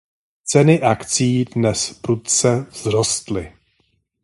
Ceny akcií dnes prudce vzrostly.